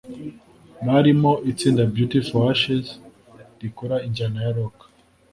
Barimo itsinda Beauty for Ashes rikora injyana ya Rock